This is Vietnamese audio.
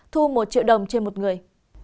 thu một triệu đồng trên một người